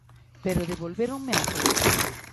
Pero devolvéronme á corte.